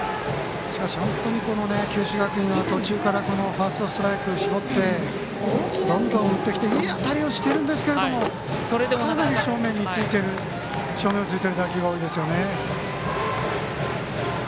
しかし本当に九州学院は途中からファーストストライクに絞ってどんどん打ってきていい当たりしてるんですが正面をついてる打球が多いですよね。